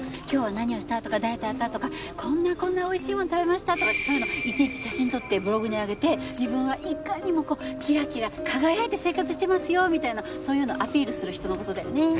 今日は何をしたとか誰と会ったとかこんなこんな美味しいものを食べましたとかってそういうのいちいち写真撮ってブログに上げて自分はいかにもこうキラキラ輝いて生活してますよみたいなそういうのをアピールする人の事だよね？